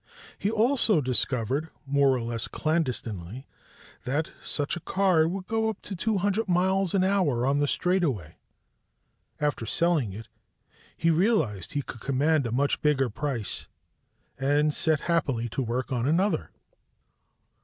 He also discovered, more or less clandestinely, that such a car would go up to 200 miles an hour on the straightaway. After selling it, he realized he could command a much bigger price, and set happily to work on another.